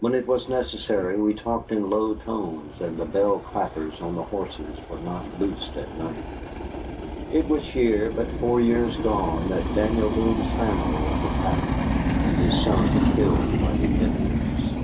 When it was necessary, we talked in low tones, and the bell clappers on the horses were not loosed at night. It was here, but four years gone, that Daniel Boone's family was attacked, and his son killed by the Indians.